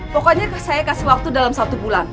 pokoknya saya kasih waktu dalam satu bulan